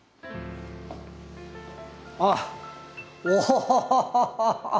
あっ。おっ！